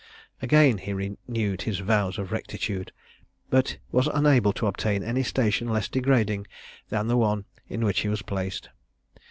Again he renewed his vows of rectitude, but was unable to obtain any station less degrading than the one in which he was placed.